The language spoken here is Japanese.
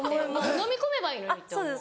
のみ込めばいいのにって思う。